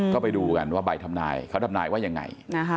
ก็ไปดูกันว่าใบทำนายเขาทำนายว่ายังไง